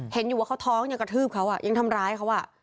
เห็นอยู่ว่าเขาท้องยังกระทืบเขายังทำร้ายเขา